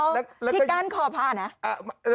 ที่กั้นขอบพระนะ